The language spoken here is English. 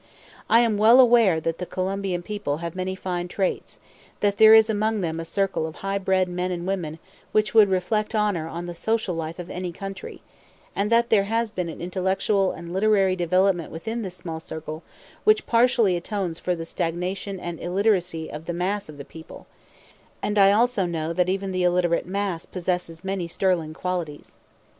I am well aware that the Colombian people have many fine traits; that there is among them a circle of high bred men and women which would reflect honor on the social life of any country; and that there has been an intellectual and literary development within this small circle which partially atones for the stagnation and illiteracy of the mass of the people; and I also know that even the illiterate mass possesses many sterling qualities.